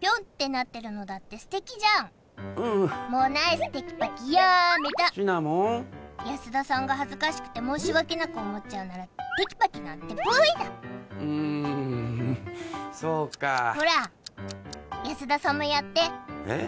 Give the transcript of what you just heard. ピョンってなってるのだってステキじゃんううんもうナイステキパキやめたシナモン安田さんが恥ずかしくて申し訳なく思っちゃうならテキパキなんてポイだうんそうかほら安田さんもやってえっ？